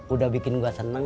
udah bikin gua seneng